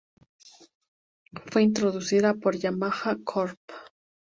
Fue introducida por Yamaha Corp.